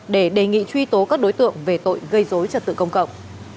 để đề nghị truy tố các đối tượng về tội gây dối trật tự công cộng